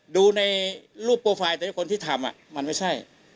ดูในรูปโปรไฟล์แต่คนที่ทำมันไม่ใช่